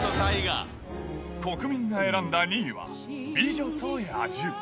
国民が選んだ２位は、美女と野獣。